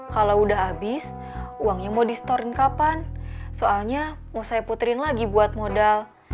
kalau udah habis uangnya mau di storen kapan soalnya mau saya puterin lagi buat modal